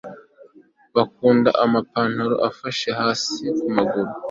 bakunda amapantaro afashe hasi kumaguru